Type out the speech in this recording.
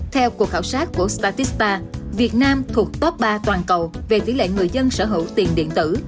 theo cuộc khảo sát của spatista việt nam thuộc top ba toàn cầu về tỷ lệ người dân sở hữu tiền điện tử